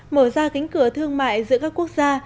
mở ra cánh cửa thương mại giữa các quốc gia